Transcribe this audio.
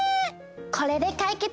これでかいけつ！